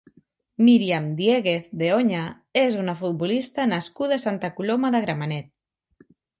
Miriam Diéguez de Oña és una futbolista nascuda a Santa Coloma de Gramenet.